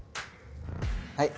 はい。